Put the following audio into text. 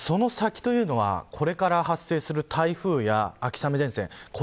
その先というのはこれから発生する台風や秋雨前線